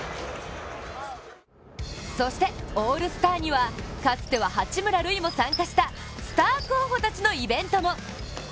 そしてオールスターにはかつては八村塁も参加したスター候補たちのイベントも。